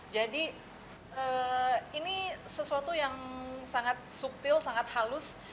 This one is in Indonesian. jadi ini sesuatu yang sangat subtil sangat halus